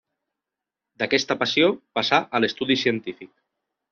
D'aquesta passió, passà a l'estudi científic.